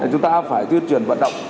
chúng ta phải tuyên truyền vận động